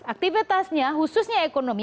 aktivitasnya khususnya ekonomi